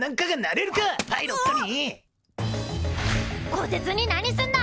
こてつに何すんだ！